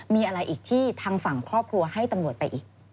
มีอะไรอีกที่ทางฝั่งครอบครัวให้ตำรวจไปอีก